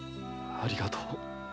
ありがとう。